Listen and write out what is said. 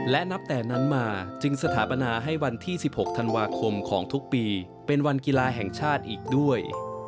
และนับแต่นั้นมาจึงสถาปนาให้วันที่๑๖ธันวาคมของทุกปีเป็นวันกีฬาแห่งชาติอีกด้วย